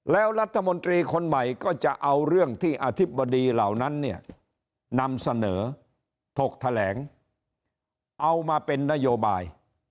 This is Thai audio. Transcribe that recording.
แล้วรัฐมนตรีคนใหม่ก็จะเอาเรื่องที่อธิบดีเหล่านั้นเนี่ยนำเสนอถกแถลงเอามาเป็นนโยบาย